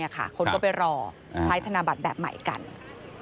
คนก็ไปรอใช้ธนบัตรแบบใหม่กัน